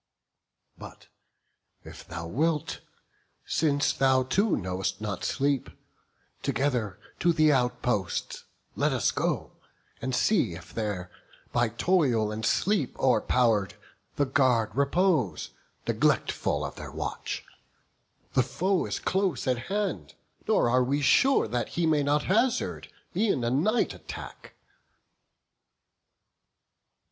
But if thou wilt, since thou too know'st not sleep, Together to the outposts let us go, And see if there, by toil and sleep o'erpow'r'd, The guard repose, neglectful of their watch. The foe is close at hand; nor are we sure He may not hazard e'en a night attack."